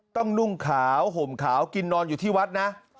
นุ่งขาวห่มขาวกินนอนอยู่ที่วัดนะ